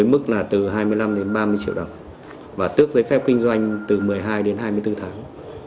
mức là từ hai mươi năm đến ba mươi triệu đồng và tước giấy phép kinh doanh từ một mươi hai đến hai mươi bốn tháng